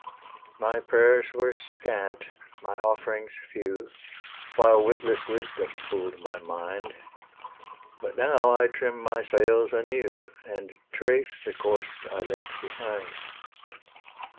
My prayers were scant, my offerings few, While witless wisdom fool'd my mind; But now I trim my sails anew, And trace the course I left behind.